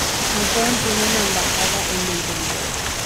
Japón tiene una embajada en Montevideo.